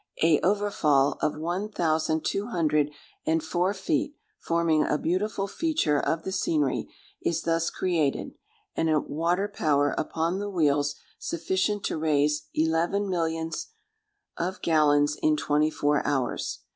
A overfall of one thousand two hundred and four feet, forming a beautiful feature of the scenery, is thus created, and a water power upon the wheels sufficient to raise eleven millions of gallons in twenty four hours.